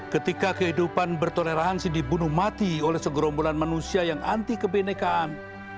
ketika kehidupan bertoleransi dibunuh mati oleh segerombolan manusia yang anti kebenekaan